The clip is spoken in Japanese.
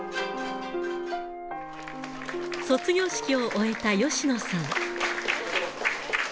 卒業式を終えた吉野さん。